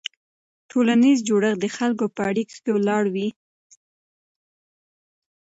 ټولنیز جوړښت د خلکو په اړیکو ولاړ وي.